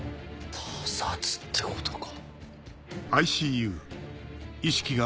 他殺ってことか。